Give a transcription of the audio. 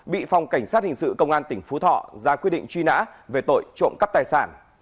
bị phòng cảnh sát hình sự công an tỉnh phú thọ ra quyết định truy nã về tội trộm cắp tài sản